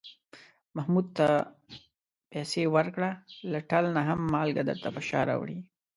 محمود ته پسې ورکړه، له ټل نه هم مالگه درته په شا راوړي.